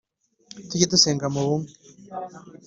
Tujye dusenga mu bumwe